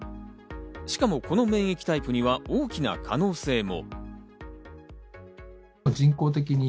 しかも、この免疫タイプには大きな可能性も。